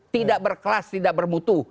tidak berkelas tidak bermutu